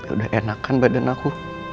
udah enakan badan aku